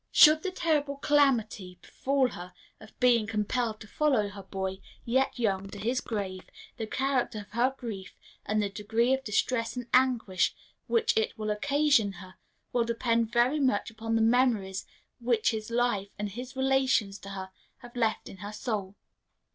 Should the terrible calamity befall her of being compelled to follow her boy, yet young, to his grave, the character of her grief, and the degree of distress and anguish which it will occasion her, will depend very much upon the memories which his life and his relations to her have left in her soul.